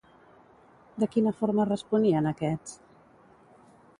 De quina forma responien aquests?